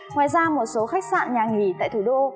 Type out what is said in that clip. ngoài ra một số khách sạn nhà nghỉ tại thủ đô